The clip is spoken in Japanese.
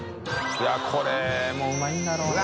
海譴うまいんだろうな。